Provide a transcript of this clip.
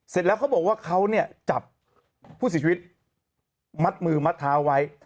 เสร็จแล้วเขาบอกว่าเขาเนี่ยจับผู้เสียชีวิตมัดมือมัดเท้าไว้